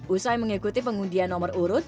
usai mengikuti pengundian nomor urut